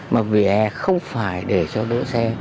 mà vỉa hè không phải để cho đổ xe